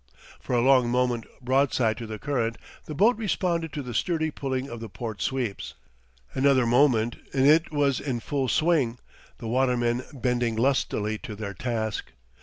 For a long moment broadside to the current, the boat responded to the sturdy pulling of the port sweeps. Another moment, and it was in full swing, the watermen bending lustily to their task.